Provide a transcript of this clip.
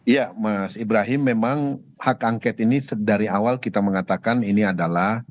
ya mas ibrahim memang hak angket ini dari awal kita mengatakan ini adalah